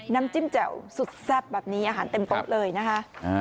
น้ำจิ้มแจ่วสุดแซ่บแบบนี้อาหารเต็มโต๊ะเลยนะคะ